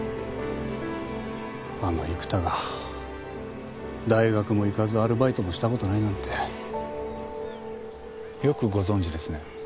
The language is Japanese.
あの生田が大学も行かずアルバイトもした事ないなんて。よくご存じですね。